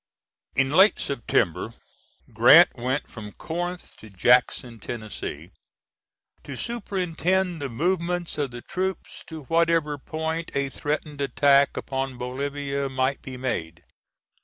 [In late September, Grant went from Corinth to Jackson, Tennessee, "to superintend the movements of the troops to whatever point a threatened attack upon Bolivia might be made."